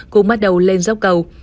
cũng bắt đầu lên dốc cầu